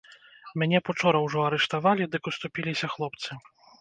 Мяне б учора ўжо арыштавалі, дык уступіліся хлопцы.